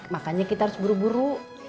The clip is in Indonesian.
makanya kita harus buru buru